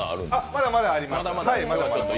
まだまだあります。